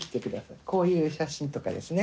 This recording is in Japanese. こういう写真とかですね。